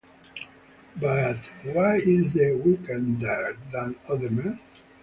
But why is he wickeder than other men?